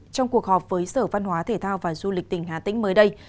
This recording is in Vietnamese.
trong cuộc họp với sở văn hóa thể thao và du lịch tỉnh hà tĩnh mới đây